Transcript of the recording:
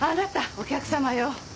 お客様よ。